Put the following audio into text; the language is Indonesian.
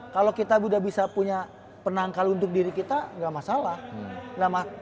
kalau kita udah bisa punya penangkal untuk diri kita gak masalah